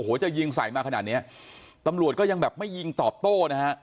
โอ้โหจะยิงใส่มาขนาดเนี้ยตำรวจก็ยังแบบไม่ยิงตอบโต้นะฮะ